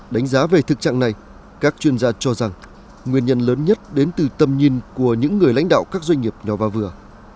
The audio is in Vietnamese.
đánh giá về thực trạng này các chuyên gia cho rằng nguyên nhân lớn nhất đến từ tầm nhìn của những người lãnh đạo các doanh nghiệp nhỏ và vừa